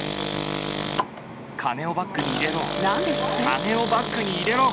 金をバッグに入れろ。